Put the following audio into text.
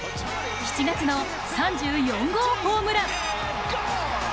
７月の３４号ホームラン。